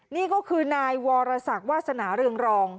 นี่ก็คือนายวรสักวาสนาเรืองรอง